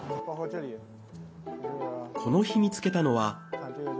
この日、見つけたのは。